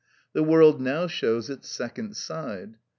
The world now shows its second side.